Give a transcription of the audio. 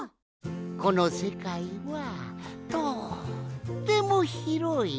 このせかいはとってもひろい。